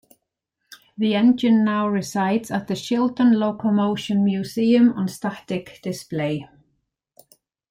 The engine now resides at the Shildon Locomotion Museum on static display.